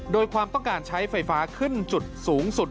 โดยความต้องการใช้ไฟฟ้าขึ้นจุดสูงสุด